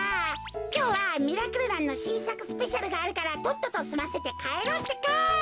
きょうは「ミラクルマン」のしんさくスペシャルがあるからとっととすませてかえろうってか。